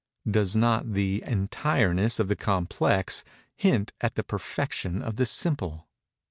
Does not the entireness of the complex hint at the perfection of the simple?